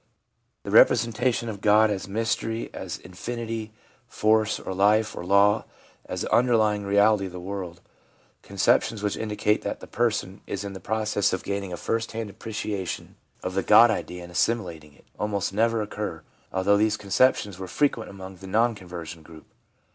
The representation of God as mystery, as infinity, force, or life, or law, as the underlying reality of the world — conceptions which indicate that the person is in the process of gaining a first hand appreciation of LINE OF GROWTH FOLLOWING CONVERSION 369 the God idea and assimilating it — almost never occur, although these conceptions were frequent among the non conversion group.